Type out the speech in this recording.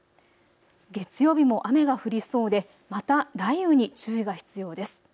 月曜日も雨が降りそうでまた雷雨に注意が必要です。